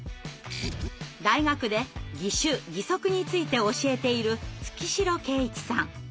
大学で義手義足について教えている月城慶一さん。